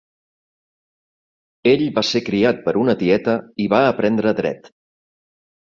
Ell va ser criat per una tieta i va aprendre Dret.